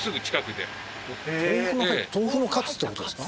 豆腐のカツってことですか。